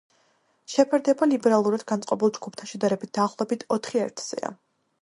შეფარდება ლიბერალურად განწყობილ ჯგუფთან შედარებით, დაახლოებით ოთხი ერთზეა.